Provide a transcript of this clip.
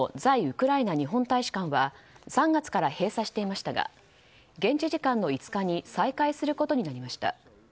ウクライナ日本大使館は３月から閉鎖していましたが現地時間の５日に再開することになりました。